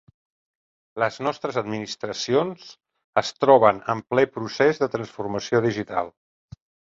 Les nostres administracions es troben en ple procés de transformació digital.